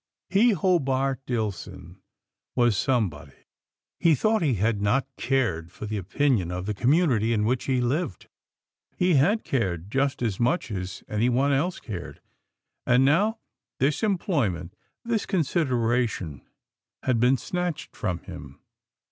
He, Hobart Dillson, was some body. He thought he had not cared for the opinion of the community in which he lived. He had cared just as much as anyone else cared, and now this employment, this consideration, had been snatched from him.